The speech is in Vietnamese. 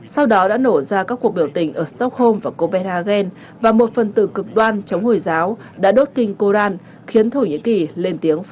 sau đó đã nổ ra các cuộc biểu tình ở stockholm và copenhagen và một phần từ cực đoan chống hồi giáo đã đốt kinh koran khiến thổ nhĩ kỳ lên tiếng phản